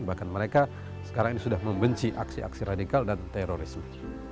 bahkan mereka sekarang ini sudah membenci aksi aksi radikal dan terorisme